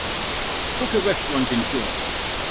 book a restaurant in Georgia